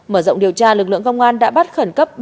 mở rộng điều tra lực lượng công an đã bắt khẩn cấp